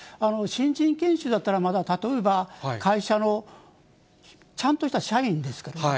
新人研修だったら、例えば、会社のちゃんとした社員ですからね。